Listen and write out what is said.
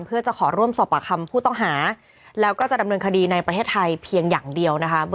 เพื่อจะขอร่วมสอบปากคำผู้ต้องหาแล้วก็จะดำเนินคดีในประเทศไทยเพียงอย่างเดียวนะคะ